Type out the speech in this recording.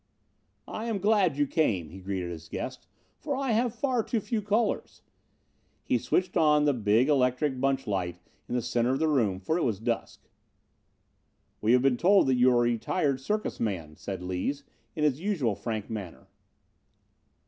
"I am glad you came," he greeted his guest, "for I have far too few callers." He switched on a big electric bunch light in the center of the room, for it was dusk. "We have been told that you are a retired circus man," said Lees, in his usual frank manner.